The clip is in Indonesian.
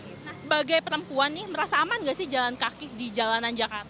nah sebagai perempuan nih merasa aman gak sih jalan kaki di jalanan jakarta